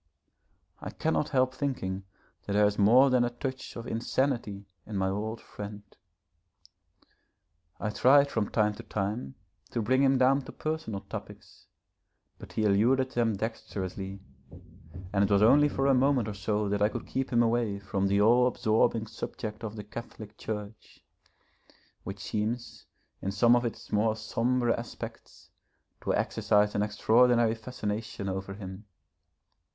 I cannot help thinking that there is more than a touch of insanity in my old friend. I tried from time to time to bring him down to personal topics, but he eluded them dexterously, and it was only for a moment or so that I could keep him away from the all absorbing subject of the Catholic Church, which seems in some of its more sombre aspects to exercise an extraordinary fascination over him.